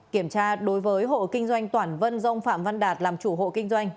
kiểm tra đối với hộ kinh doanh toản vân dông phạm văn đạt làm chủ hộ kinh doanh